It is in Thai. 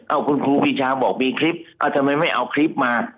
อ้าวคุณครูพิชาบอกว่ามีคลิปทำไมไม่เอาคลิปมา